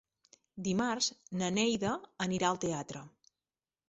Dimarts na Neida anirà al teatre.